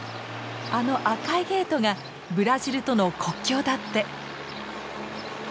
あの赤いゲートがブラジルとの国境だって！